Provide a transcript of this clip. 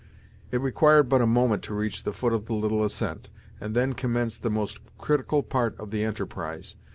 It required but a moment to reach the foot of the little ascent, and then commenced the most critical part of the enterprise.